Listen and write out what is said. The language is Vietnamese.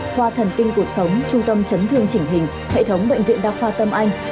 khoa thần kinh cuộc sống trung tâm chấn thương chỉnh hình hệ thống bệnh viện đa khoa tâm anh